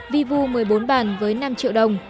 vivu một mươi bốn bàn với năm triệu đồng